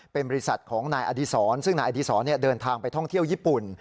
เป็นบริษัทของนายอดีศรซึ่งนายอดีศรเดินทางไปท่องเที่ยวญี่ปุ่น